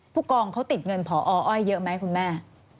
ผู้กองเขาติดเงินพออ้อยเยอะไหมคุณแม่